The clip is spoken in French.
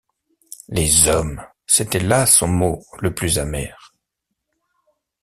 Les hommes! c’était là son mot le plus amer.